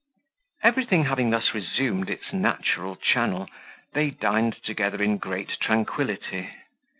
Everything having thus resumed its natural channel, they dined together in great tranquility.